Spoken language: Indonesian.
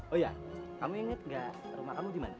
oh ya kamu inget nggak rumah kamu di mana